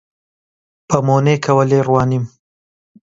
بە مۆنێکەوە لێی ڕوانیم: